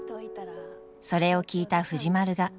それを聞いた藤丸が。